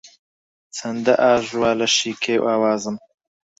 چەندە ئاژوا لەشی کێو ئاوازم